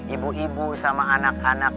ibu ibu sama anak anak